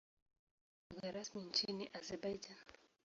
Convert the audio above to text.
Ni lugha rasmi nchini Azerbaijan.